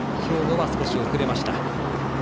兵庫は少し遅れました。